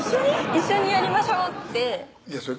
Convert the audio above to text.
「一緒にやりましょう」ってそれ